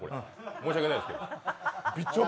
申しわけないですけど。